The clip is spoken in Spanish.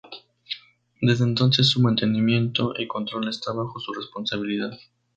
Desde entonces su mantenimiento y control está bajo su responsabilidad.